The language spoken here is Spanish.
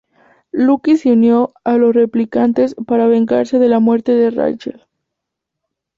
Locke se unió a los "Replicantes" para vengarse de la muerte de Rachel.